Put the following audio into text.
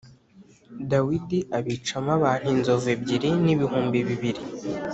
Dawidi abicamo abantu inzovu ebyiri n’ibihumbi bibiri.